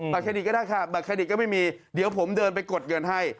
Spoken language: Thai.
เครดิตก็ได้ค่ะบัตเครดิตก็ไม่มีเดี๋ยวผมเดินไปกดเงินให้